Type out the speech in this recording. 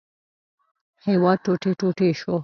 هېواد ټوټې ټوټې شو.